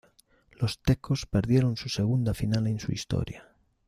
Los Tecos perdieron su segunda final en su historia.